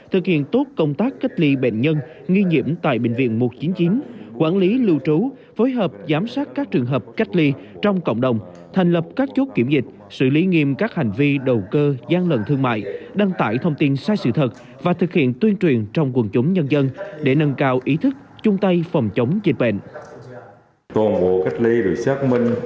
thực hiện tốt công tác cách ly bệnh nhân nghi nhiễm tại bệnh viện một trăm chín mươi chín quản lý lưu trú phối hợp giám sát các trường hợp cách ly trong cộng đồng thành lập các chốt kiểm dịch xử lý nghiêm các hành vi đầu cơ gian lận thương mại đăng tải thông tin sai sự thật và thực hiện tuyên truyền trong quần chúng nhân dân để nâng cao ý thức chung tay phòng chống dịch bệnh